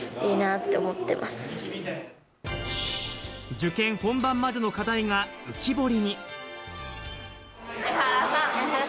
受験本番までの課題が浮き彫りに。